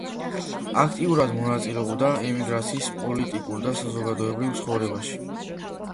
აქტიურად მონაწილეობდა ემიგრაციის პოლიტიკურ და საზოგადოებრივ ცხოვრებაში.